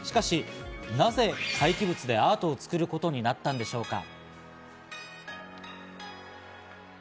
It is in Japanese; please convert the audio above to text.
なぜ廃棄物でアートを作ることになったんでしょうか？